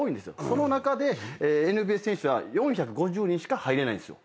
その中でＮＢＡ選手は４５０人しか入れないんすよ。